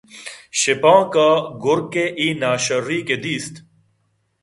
شپانک ءَ گُرک ءِ اے ناشَری کہ دیست